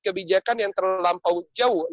kebijakan yang terlampau jauh